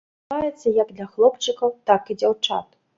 Ужываецца як для хлопчыкаў, так і дзяўчат.